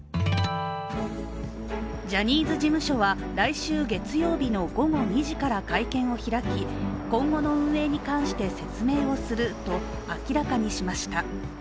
ジャニーズ事務所は、来週月曜日の午後２時から会見を開き、今後の運営に関して説明をすると明らかにしました。